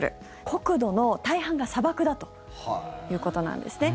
国土の大半が砂漠だということなんですね。